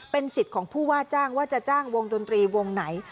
เป็นสิทธิ์ของผู้ว่าจ้างว่าจะจ้างวงดนตรีวงไหน